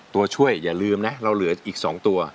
ตัวช่วยอย่าลืมนะเราเหลืออีก๒ตัว